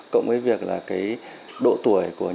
cộng với việc độ tuổi của nhà